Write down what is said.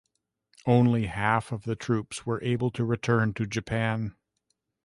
Only half of the troops were able to return to Japan.